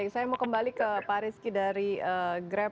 saya mau kembali ke pak rizky dari grab